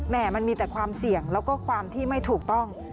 มันมีแต่ความเสี่ยงแล้วก็ความที่ไม่ถูกต้อง